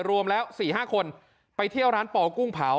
รวมแล้วสี่ห้าคนไปเที่ยวร้านป่ากุ้งเผา